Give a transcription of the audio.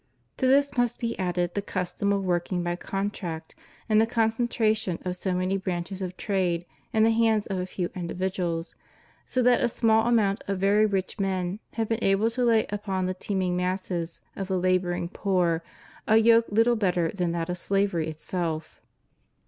To this must be added the custom of working by contract, and the concentration of so many branches of trade in the hands of a few individuals ; so that a small number of very rich men have been able to lay upon the teeming masses of the laboring poor a yoke little better than that of slavery itself.